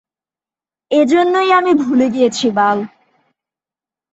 এজন্যই আমি ভুলে গিয়েছি বাল।